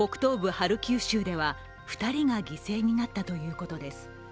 ハルキウ州では２人が犠牲になったということです。